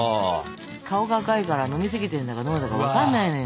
顔が赤いから飲みすぎてんだかどうだか分かんないのよ。